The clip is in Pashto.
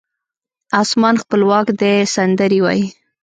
اسمان خپلواک دی سندرې وایې